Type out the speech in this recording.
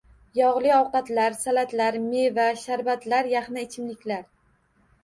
Yog‘li ovqatlar, salatlar, meva sharbatlari, yaxna ichimliklar.